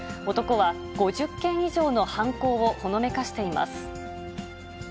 男は、５０件以上の犯行をほのめかしています。